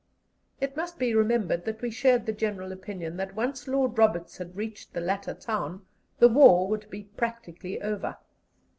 It must be remembered that we shared the general opinion that, once Lord Roberts had reached the latter town, the war would be practically over.